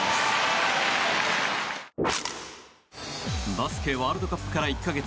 バスケワールドカップから１か月。